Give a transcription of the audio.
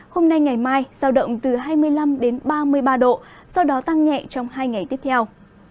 hôm nay ngày mai giao động từ hai mươi năm đến ba mươi ba độ sau đó tăng nhẹ trong hai ngày tiếp theo